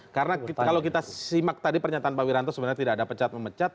karena kalau kita simak tadi pernyataan pak wiranto sebenarnya tidak ada pecat memecat